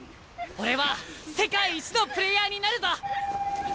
俺は世界一のプレーヤーになるぞ！